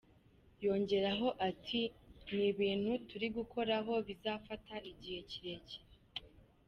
Yongeyeho ati "Ni ibintu turi gukoraho bizafata igihe kirekire.